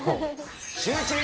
シューイチ！